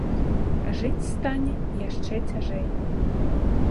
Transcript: Жыць стане яшчэ цяжэй.